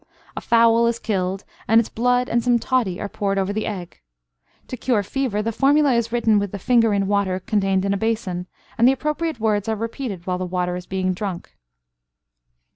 A fowl is killed, and its blood and some toddy are poured over the egg. To cure fever, the formula is written with the finger in water contained in a basin, and the appropriate words are repeated while the water is being drunk.